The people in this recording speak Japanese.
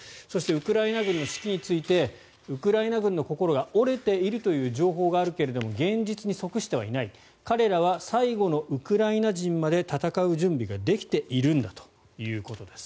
ウクライナ軍の指揮についてウクライナ軍の心が折れているという情報があるが現実に即してはいない彼らは最後のウクライナ人まで戦う準備ができているんだということです。